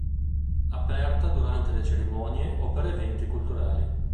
Aperta durante le cerimonie o per eventi culturali.